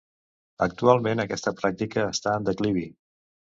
Actualment aquesta pràctica està en declivi.